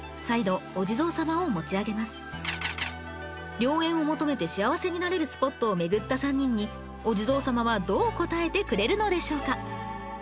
良縁を求めて幸せになれるスポットを巡った３人にお地蔵様はどう答えてくれるのでしょうか？